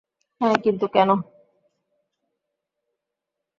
হ্যাঁ, কিন্তু কেন?